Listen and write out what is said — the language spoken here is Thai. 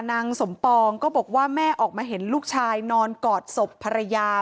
นางสมปองก็บอกว่าแม่ออกมาเห็นลูกชายนอนกอดศพภรรยา